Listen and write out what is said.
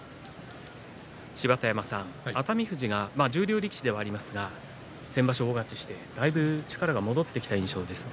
芝田山さん、熱海富士が十両力士ではありますが先場所、大勝ちして、だいぶ力が戻ってきた印象ですが。